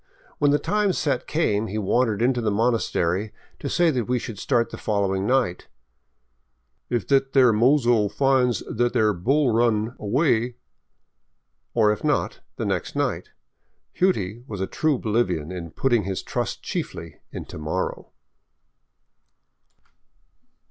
When the time set came, he wandered into the monastery to say that we should start the following night —" if thet there mozo finds thet there bull that run away ;" or if not, then the next night. " Hughtie " was a true Boli vian in putting his trust chiefly in to morrow.